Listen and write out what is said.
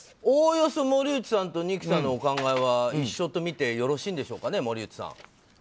おおよそ森内さんと二木さんの考えは一緒とみてよろしいんでしょうかね。